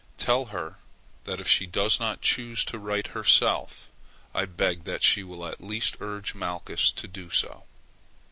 Tell her that if she does not choose to write herself, I beg that she will at least urge Malchus to do so.